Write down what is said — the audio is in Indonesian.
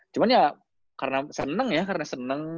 cuma ya karena seneng ya karena seneng